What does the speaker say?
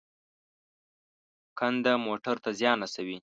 کنده موټر ته زیان رسوي.